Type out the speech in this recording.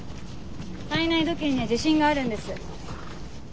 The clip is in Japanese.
体内時計には自信があるんです。